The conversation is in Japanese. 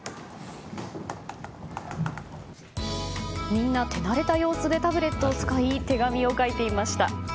みんな、手慣れた様子でタブレットを使い手紙を書いていました。